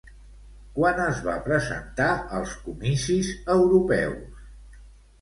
Quan es va presentar als comicis europeus?